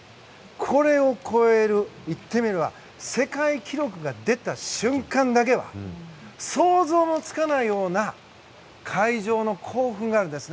これを越える言ってみれば世界記録が出た瞬間だけは想像もつかないような会場の興奮があるんです。